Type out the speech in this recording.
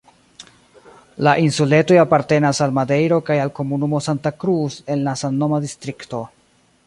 La insuletoj apartenas al Madejro kaj al komunumo Santa Cruz en la samnoma distrikto.